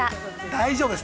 ◆大丈夫です。